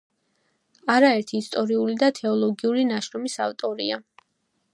არაერთი ისტორიული და თეოლოგიური ნაშრომის ავტორია.